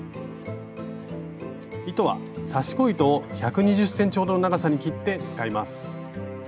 糸は刺し子糸を１２０ｃｍほどの長さに切って使います。